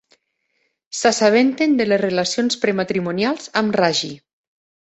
S'assabenten de les relacions prematrimonials amb Raji.